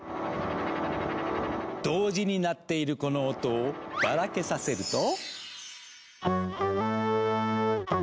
同時に鳴っているこの音をばらけさせると。